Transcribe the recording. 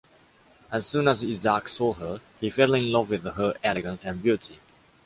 As soon as Isaac saw her, he fell in love with her elegance and beauty.